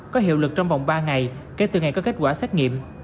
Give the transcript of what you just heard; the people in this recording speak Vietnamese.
có hiệu lực trong vòng ba ngày kể từ ngày có kết quả xét nghiệm